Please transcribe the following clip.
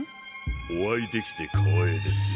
お会いできて光栄ですよ